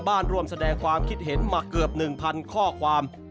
สมทางบ้านร่วมแสดงความคิดเห็นมาเกือบหนึ่งพันข้อความ